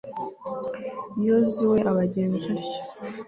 yozuwe abagenza atyo